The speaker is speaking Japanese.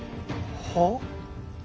はっ？